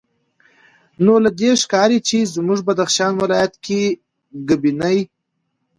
نو له دې ښکاري چې زموږ بدخشان ولایت کې ګبیني